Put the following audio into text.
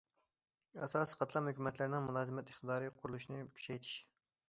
ئاساسىي قاتلام ھۆكۈمەتلىرىنىڭ مۇلازىمەت ئىقتىدارى قۇرۇلۇشىنى كۈچەيتىش.